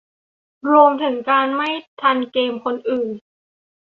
รวมถึงการไม่ทันเกมคนอื่น